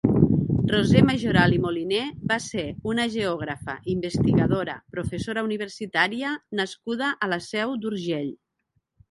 Roser Majoral i Moliné va ser una geogràfa, investigadora, professora universitària nascuda a la Seu d'Urgell.